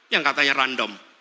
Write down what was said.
yang katanya random